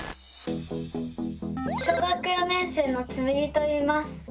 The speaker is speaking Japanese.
小学４年生のつむぎといいます。